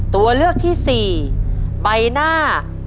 ตัวเลือกที่สี่ใบหน้าฝั่งคลุม